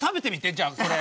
じゃあそれ。